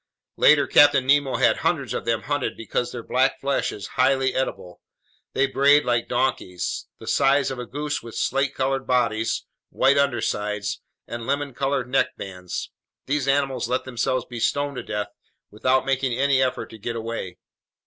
Later Captain Nemo had hundreds of them hunted because their black flesh is highly edible. They brayed like donkeys. The size of a goose with slate colored bodies, white undersides, and lemon colored neck bands, these animals let themselves be stoned to death without making any effort to get away.